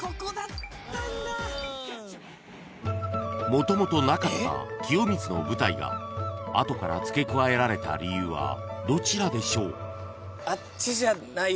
［もともとなかった清水の舞台が後から付け加えられた理由はどちらでしょう？］